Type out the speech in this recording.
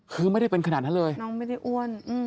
คือไม่ได้เป็นขนาดนั้นเลยน้องไม่ได้อ้วน